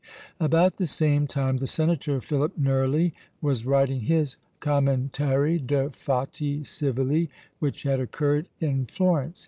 About the same time the senator Philip Nerli was writing his "Commentarj de' fatti civili," which had occurred in Florence.